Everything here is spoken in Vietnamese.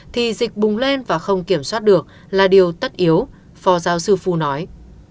thì dịch bùng lên và không kiểm soát được là điều tất yếu phó giáo sư phu nói